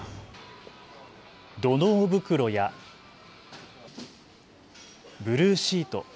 土のう袋やブルーシート。